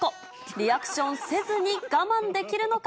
リアクションせずに我慢できるのか。